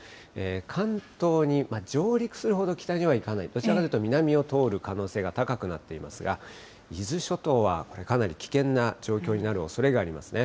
関東に上陸するほど北には行かない、どちらかというと、南を通る可能性が高くなっていますが、伊豆諸島はこれかなり危険な状況になるおそれがありますね。